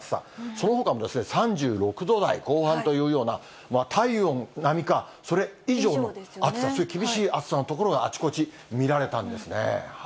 そのほかも３６度台後半というような、体温並みか、それ以上の暑さ、そういう厳しい暑さの所があちこち見られたんですね。